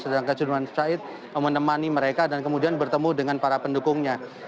sedangkan sudirman said menemani mereka dan kemudian bertemu dengan para pendukungnya